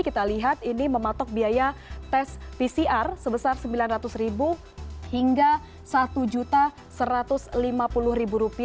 kita lihat ini mematok biaya tes pcr sebesar rp sembilan ratus hingga rp satu satu ratus lima puluh